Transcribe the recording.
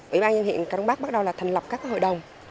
ủy ban nhân huyện cà đông bắc bắt đầu là thành lập các hội đồng